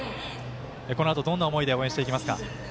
このあと、どんな思いで応援していきますか？